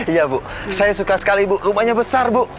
iya bu saya suka sekali ibu rumahnya besar bu